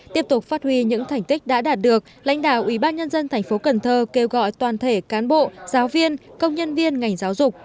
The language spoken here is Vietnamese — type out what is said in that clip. tiếp tục phát huy những thành tích đã đạt được lãnh đạo ủy ban nhân dân thành phố cần thơ kêu gọi toàn thể cán bộ giáo viên công nhân viên ngành giáo dục